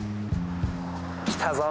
来たぞ